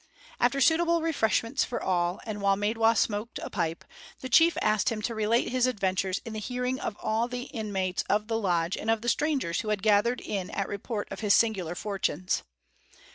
After suitable refreshments for all, and while Maidwa smoked a pipe, the chief asked him to relate his adventures in the hearing of all the inmates of the lodge and of the strangers who had gathered in at report of his singular fortunes.